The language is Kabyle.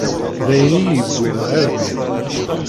D ayen i yi-yewwin ɣer din.